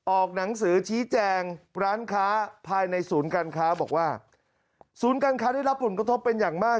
ออกหนังสือชี้แจงร้านค้าภายในศูนย์การค้าบอกว่าศูนย์การค้าได้รับผลกระทบเป็นอย่างมาก